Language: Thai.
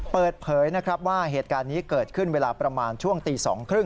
เปิดเผยนะครับว่าเหตุการณ์นี้เกิดขึ้นเวลาประมาณช่วงตี๒๓๐